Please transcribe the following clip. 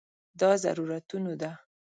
دا ضرورتونو ده.